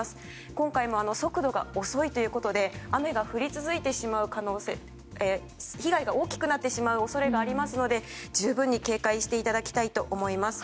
今回も速度が遅いということで被害が大きくなってしまう恐れがありますので十分に警戒していただきたいと思います。